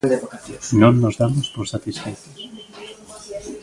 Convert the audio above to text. Non nos damos por satisfeitos.